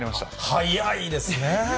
早いですね。